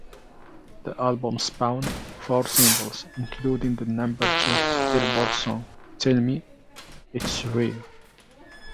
The album spawned four singles, including the number-two "Billboard" song, "Tell Me It's Real".